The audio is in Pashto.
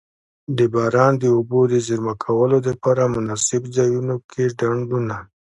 د باران د اوبو د زیرمه کولو دپاره مناسب ځایونو کی ډنډونه.